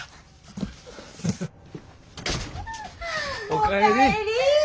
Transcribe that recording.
お帰り！